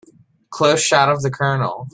Close shot of the COLONEL.